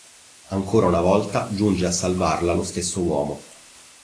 Ancora una volta giunge a salvarla lo stesso uomo.